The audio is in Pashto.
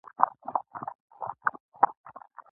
هغه خپله پانګه وروسته پاتې هېوادونو ته وړي